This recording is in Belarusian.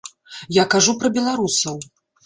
Я кажу пра беларусаў.